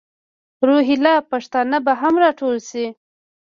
روهیله پښتانه به هم را ټول شي.